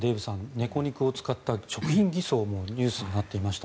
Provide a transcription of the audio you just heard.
猫肉を使った食品偽装もニュースになっていました。